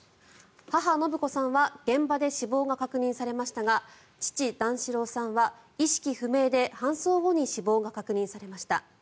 母・延子さんは現場で死亡が確認されましたが父・段四郎さんは意識不明で搬送後に死亡が確認されました。